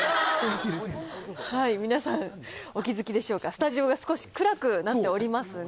皆さん、お気付きでしょうか、スタジオが少し暗くなっておりますが。